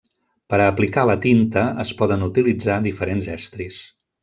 Per a aplicar la tinta es poden utilitzar diferents estris.